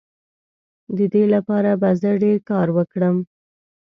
د دې لپاره به زه ډیر کار وکړم.